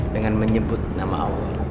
dengan menyebut nama allah